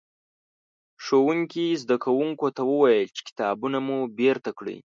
ښوونکي؛ زدکوونکو ته وويل چې کتابونه مو بېرته کړئ.